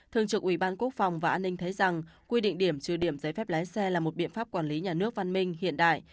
thường trực ủy ban quốc phòng và an ninh thấy rằng quy định điểm trừ điểm giấy phép lái xe là một biện pháp quản lý nhà nước văn minh hiện đại